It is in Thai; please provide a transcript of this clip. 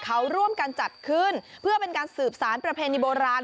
เขาร่วมกันจัดขึ้นเพื่อเป็นการสืบสารประเพณีโบราณ